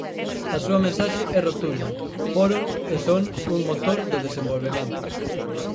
A súa mensaxe é rotunda foron e son un motor do desenvolvemento.